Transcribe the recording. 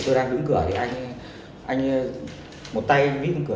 tôi đang đứng cửa thì anh một tay vít cửa